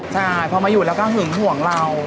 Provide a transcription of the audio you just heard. ใช่พอมาอยู่แล้วก็หึงห่วงเรา